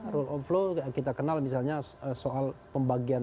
rule of law kita kenal misalnya soal pembagian